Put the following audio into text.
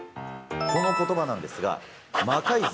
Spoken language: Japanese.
この言葉なんですが魔改造